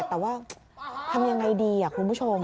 แต่ว่าทำยังไงดีคุณผู้ชม